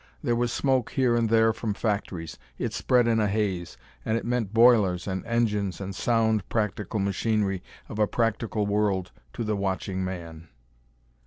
There was smoke here and there from factories; it spread in a haze, and it meant boilers and engines and sound practical machinery of a practical world to the watching man.